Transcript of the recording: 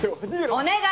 お願い！